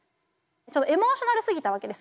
ちょっとエモーショナルすぎたわけです